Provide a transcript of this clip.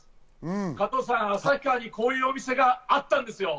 加藤さん、旭川にこういうお店があったんですよ。